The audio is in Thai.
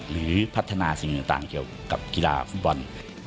หรือพัฒนาสิ่งต่างเกี่ยวกับกีฬาฟุตบอล